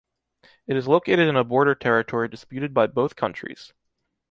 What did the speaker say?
It is located in a border territory disputed by both countries.